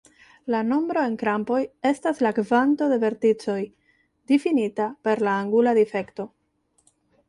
La nombro en krampoj estas la kvanto de verticoj, difinita per la angula difekto.